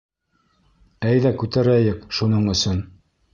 Әйҙә күтәрәйек шуның өсөн!